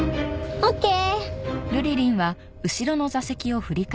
オッケー！